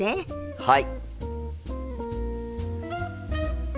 はい！